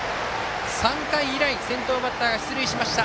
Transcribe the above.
３回以来、先頭バッターが出塁しました。